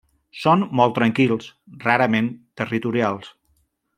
Són molt tranquils, rarament territorials.